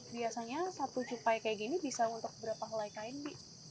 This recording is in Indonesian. biasanya satu cupai kayak gini bisa untuk berapa helai kain bi